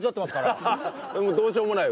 どうしようもないよ